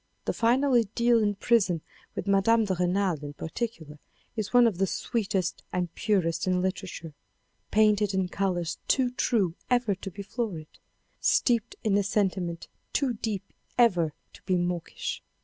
The final idyll in prison with Mme. de Renal, in particular, is one of the sweetest and purest in literature, painted in colours too true ever to be florid, steeped in a sentiment too deep ever to be mawkish.